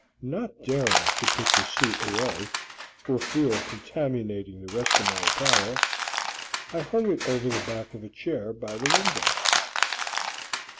Not daring to put the suit away, for fear of contaminating the rest of my apparel, I hung it over the back of a chair by the window.